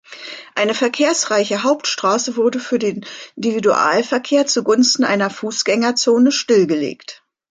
Eine verkehrsreiche Hauptstraße wurde für den Individualverkehr zugunsten einer Fußgängerzone stillgelegt.